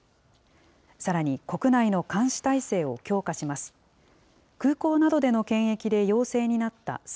さらに、国内の監視体制を強化します。